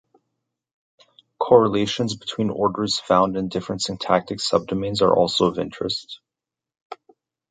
Correlations between orders found in different syntactic sub-domains are also of interest.